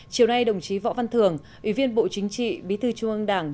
chiều nay đồng chí võ văn thường ủy viên bộ chính trị bí thư trung ương đảng